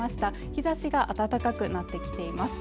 日差しが暖かくなってきています